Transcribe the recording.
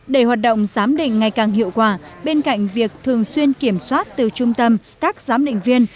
để hoạt động giám định ngày càng hiệu quả bên cạnh việc thường xuyên kiểm soát từ trung tâm các giám định viên